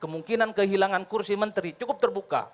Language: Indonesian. kemungkinan kehilangan kursi menteri cukup terbuka